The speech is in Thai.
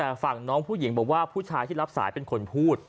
แต่ฝั่งน้องผู้หญิงบอกว่าผู้ชายที่รับสายเป็นคนพูด